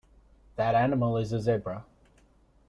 That animal is a Zebra.